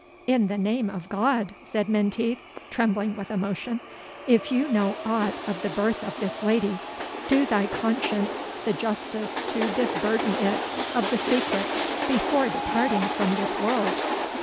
"In the name of God," said Menteith, trembling with emotion, "if you know aught of the birth of this lady, do thy conscience the justice to disburden it of the secret before departing from this world!"